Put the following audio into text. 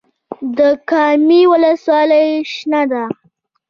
د کامې ولسوالۍ شنه ده